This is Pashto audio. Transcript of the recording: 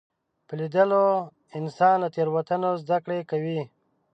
په لیدلو انسان له تېروتنو زده کړه کوي